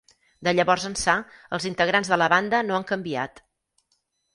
De llavors ençà els integrants de la banda no han canviat.